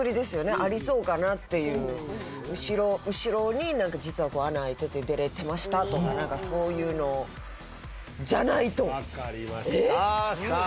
ありそうかなっていう後ろに何か実は穴あいてて出れてましたとか何かそういうのじゃないと分かりましたさあさあ